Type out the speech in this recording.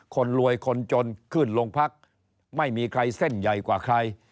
คนรวยคนจนขึ้นโรงพักไม่มีใครเส้นใหญ่กว่าใคร